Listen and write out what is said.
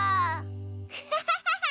ハハハハ！